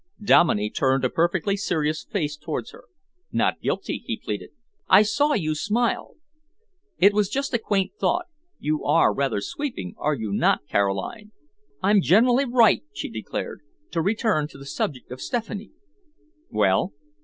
Dominey turned a perfectly serious face towards her. "Not guilty," he pleaded. "I saw you smile." "It was just a quaint thought. You are rather sweeping, are you not, Caroline?" "I'm generally right," she declared. "To return to the subject of Stephanie." "Well?"